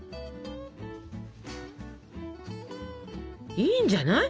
いいんじゃない？